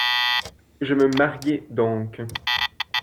Je me mariai donc.